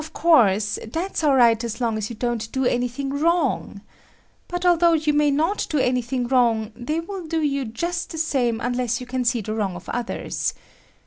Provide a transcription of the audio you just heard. "Of course, that't all right as long as you don't do anything wrong. But although you may not do anything wrong, they will do you just the same unless you can see the wrong of others.